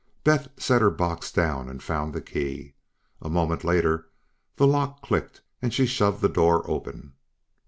Beth set her box down and found the key. A moment later the lock clicked and she shoved the door open.